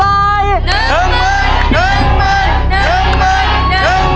ปล่อยเร็วเร็ว